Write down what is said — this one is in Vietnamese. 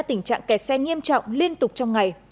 tình trạng kẹt xe nghiêm trọng liên tục trong ngày